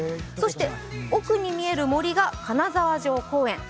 そして、奥に見える森が金沢城公園。